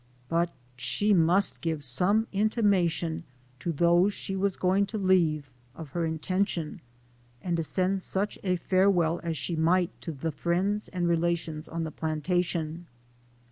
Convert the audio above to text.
But she must give some intimation to those she was going to leave of her intention, and send such a farewell as she might to the friends and relations on the plantation.